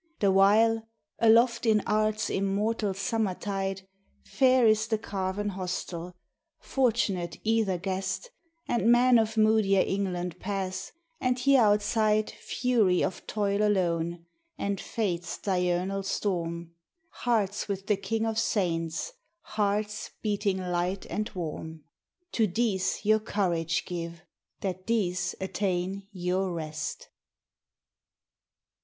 The while, aloft in Art's immortal summertide, Fair is the carven hostel, fortunate either guest, And men of moodier England pass, and hear outside Fury of toil alone, and fate's diurnal storm, Hearts with the King of Saints, hearts beating light and warm! To these your courage give, that these attain your rest.